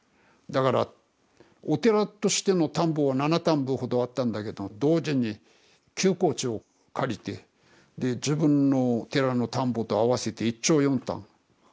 だからお寺としての田んぼは７反歩ほどあったんだけど同時に休耕地を借りてで自分の寺の田んぼと合わせて１町４反。